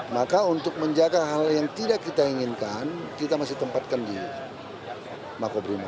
maka untuk menjaga hal yang tidak kita inginkan kita masih tempatkan di makobrimo